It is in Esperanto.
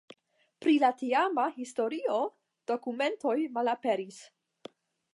Pri la tiama historio la dokumentoj malaperis.